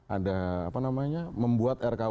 ada apa namanya membuat rkuh